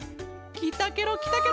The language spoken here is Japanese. きたケロきたケロ！